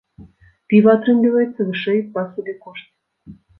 Піва атрымліваецца вышэй па сабекошце.